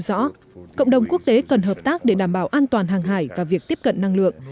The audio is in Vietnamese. rõ cộng đồng quốc tế cần hợp tác để đảm bảo an toàn hàng hải và việc tiếp cận năng lượng